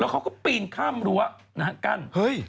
แล้วเขาก็ปีนข้ามรั้วนะฮะกั้น